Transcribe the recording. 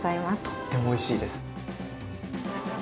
とってもおいしいです。